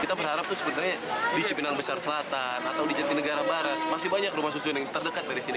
kita berharap itu sebenarnya di cipinang besar selatan atau di jatinegara barat masih banyak rumah susun yang terdekat dari sini